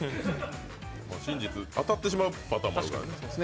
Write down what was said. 真実当たってしまうパターンもあるからね。